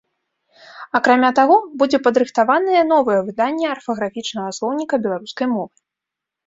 Акрамя таго, будзе падрыхтаванае новае выданне арфаграфічнага слоўніка беларускай мовы.